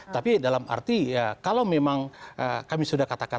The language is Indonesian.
tapi dalam arti kalau memang kami sudah katakan